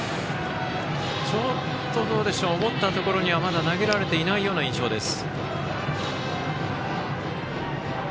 ちょっと思ったところにはまだ投げられていない印象です。